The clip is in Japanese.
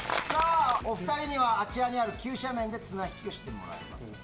さあ、お２人には、あちらにある急斜面で綱引きをしてもらいます。